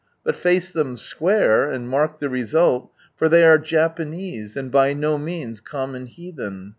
But face them square, and mark the result, for ihey are Japanese, and by no means coinmon heathen!